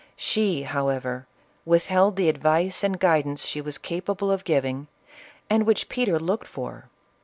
She however withheld the advice and guidance she was capable of giving, and which Peter looked for.